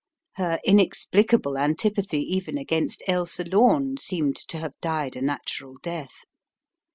Her inexplicable antipathy even against Ailsa Lome seemed to have died a natural death.